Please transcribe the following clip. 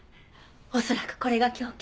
恐らくこれが凶器。